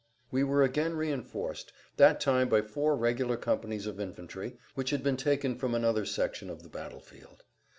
We were again reinforced, that time by four regular companies of infantry, which had been taken from [Pg 95]another section of the battle field.